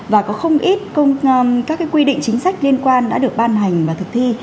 và có không ít các quy định chính sách liên quan đã được ban hành và thực thi